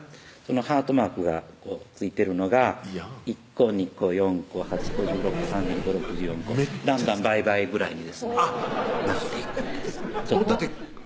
ハートマークが付いてるのが１個２個４個８個１６個３２個６４個だんだん倍々ぐらいにですねなっていくんです